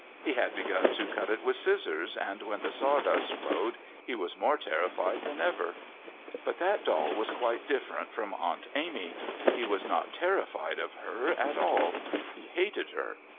He had begun to cut it with scissors, and when the sawdust flowed he was more terrified than ever. But that doll was quite different from Aunt Amy. He was not terrified of her at all. He hated her.